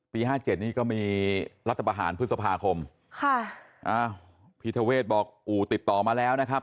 ปี๕๗นี่ก็มีรัฐประหารพฤษภาคมพีทเวชบอกอู่ติดต่อมาแล้วนะครับ